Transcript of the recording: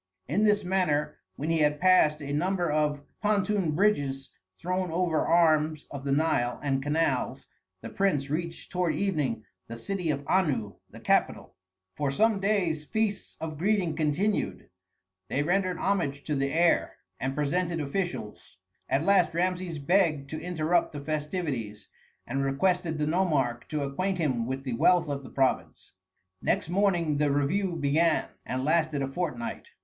In this manner when he had passed a number of pontoon bridges thrown over arms of the Nile and canals, the prince reached toward evening the city of Anu, the capital. For some days feasts of greeting continued; they rendered homage to the heir, and presented officials. At last Rameses begged to interrupt the festivities, and requested the nomarch to acquaint him with the wealth of the province. Next morning the review began, and lasted a fortnight.